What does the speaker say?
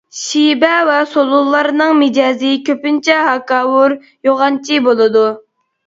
شىبە ۋە سولۇنلارنىڭ مىجەزى كۆپىنچە ھاكاۋۇر، يوغانچى بولىدۇ.